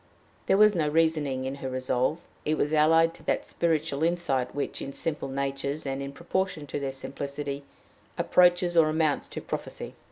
There was no reasoning in her resolve: it was allied to that spiritual insight which, in simple natures, and in proportion to their simplicity, approaches or amounts to prophecy.